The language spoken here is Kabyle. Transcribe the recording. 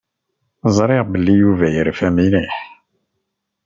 Ẓriɣ belli Yuba yerfa mliḥ.